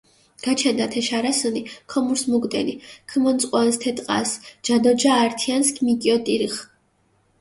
გაჩენდჷ ათე შარასჷნი, ქომურს მუგჷდენი, ქჷმონწყუნსჷ თე ტყასჷ, ჯა დო ჯა ართიანსჷ მიკიოტირხჷ.